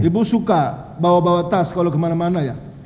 ibu suka bawa bawa tas kalau kemana mana ya